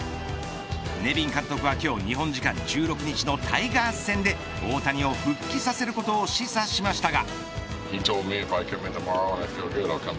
ネビン監督は今日日本時間１６日のタイガース戦で大谷を復帰させることを示唆しましたが。